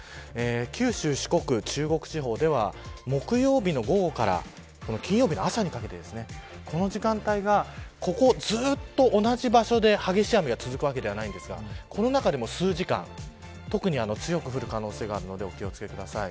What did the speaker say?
九州、四国、中国地方では木曜日の午後から金曜日の朝にかけてこの時間帯がここずっと同じ場所で激しい雨が続くわけではないですがこの中でも数時間特に強く降る可能性があるのでお気を付けください。